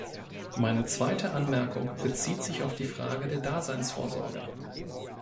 Meine zweite Anmerkung bezieht sich auf die Frage der Daseinsvorsorge.